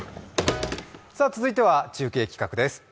続いては中継企画です。